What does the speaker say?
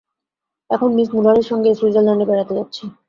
এখন মিস মূলারের সঙ্গে সুইজরলণ্ডে বেড়াতে যাচ্ছি।